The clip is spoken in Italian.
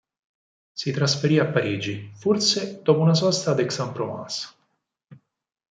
Si trasferì a Parigi, forse dopo una sosta ad Aix-en-Provence.